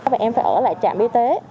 và em phải ở lại trạm y tế